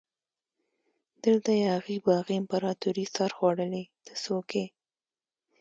دلته یاغي باغي امپراتوري سرخوړلي ته څوک يي؟